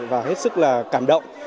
và hết sức cảm động